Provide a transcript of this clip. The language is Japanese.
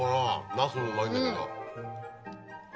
なすもうまいんだけど。